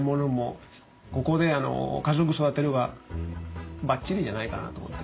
ここで家族育てるがバッチリじゃないかなと思って。